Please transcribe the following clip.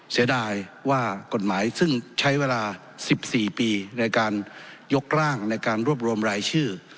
เสียดายว่ากฎหมายซึ่งใช้เวลา๑๔ปีในการยกร่างในการรวบรวมรายชื่อ